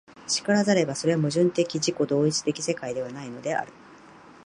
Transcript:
然らざれば、それは矛盾的自己同一的世界ではないのである。